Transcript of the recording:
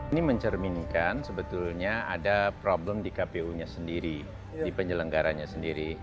ini mencerminkan sebetulnya ada problem di kpu nya sendiri di penyelenggaranya sendiri